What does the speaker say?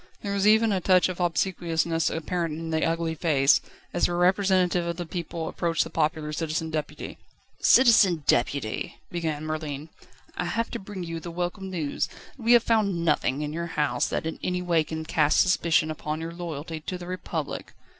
There was even a touch of obsequiousness apparent in the ugly face, as the representative of the people approached the popular Citizen Deputy. "Citizen Deputy," began Merlin, "I have to bring you the welcome news, that we have found nothing in your house that in any way can cast suspicion upon your loyalty to the Republic.